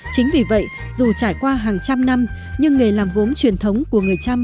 chính vì vậy dù trải qua hàng trăm năm nhưng nghề làm gốm truyền thống của người trăm